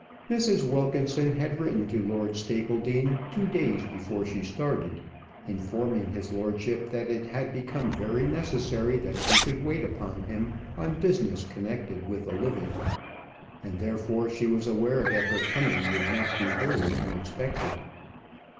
Mrs. Wilkinson had written to Lord Stapledean two days before she started, informing his lordship that it had become very necessary that she should wait upon him on business connected with the living, and therefore she was aware that her coming would not be wholly unexpected.